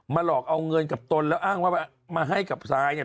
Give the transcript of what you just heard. หลอกเอาเงินกับตนแล้วอ้างว่ามาให้กับซายเนี่ย